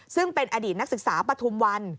ซึ่งเป็นอดีตนักศึกษาปฐุมวัน